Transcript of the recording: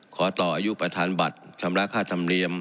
ขอต่ออายุประธานบัตรชำระค่าธรรมเนียม